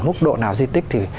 mức độ nào di tích